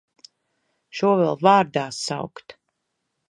Šo vēl vārdā saukt!